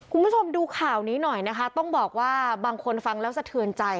คุณผู้ชมดูข่าวนี้หน่อยนะคะต้องบอกว่าบางคนฟังแล้วสะเทือนใจ